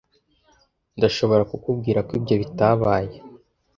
Ndashobora kukubwira ko ibyo bitabaye.